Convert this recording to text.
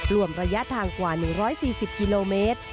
รวมระยะทางกว่า๑๔๐กิโลเมตร